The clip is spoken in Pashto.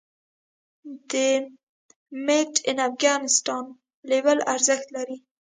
د "Made in Afghanistan" لیبل ارزښت لري؟